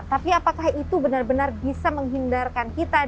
tapi apakah itu benar benar bisa menghindarkan kita